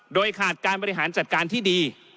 โดยขาดการบริหารจัดการที่ดี